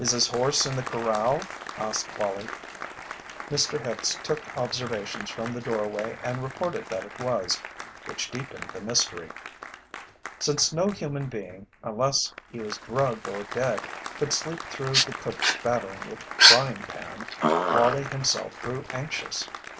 "Is his horse in the corral?" asked Wallie. Mr. Hicks took observations from the doorway and reported that it was, which deepened the mystery. Since no human being, unless he was drugged or dead, could sleep through the cook's battering with the frying pan, Wallie himself grew anxious.